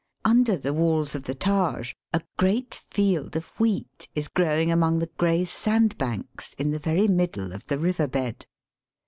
Under the walls of the Taj a great field of wheat is growing among the gray sandbanks in the veiy middle of the river bed.